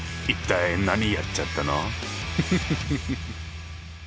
一体何やっちゃったの？